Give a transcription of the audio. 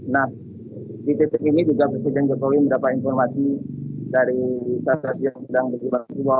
nah di titik ini juga presiden jokowi mendapatkan informasi dari ketua kepala kepala kepala kepala